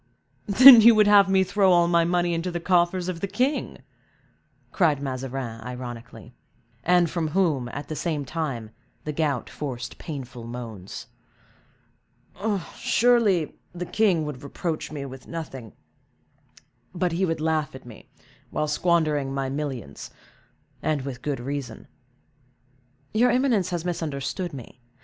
"Then, you would have me throw all my money into the coffers of the king!" cried Mazarin, ironically; and from whom, at the same time the gout forced painful moans. "Surely the king would reproach me with nothing, but he would laugh at me, while squandering my millions, and with good reason." "Your eminence has misunderstood me.